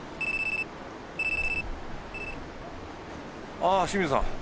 ああ清水さん